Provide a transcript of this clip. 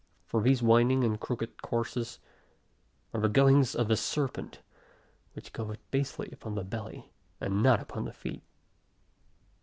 For these winding, and crooked courses, are the goings of the serpent; which goeth basely upon the belly, and not upon the feet.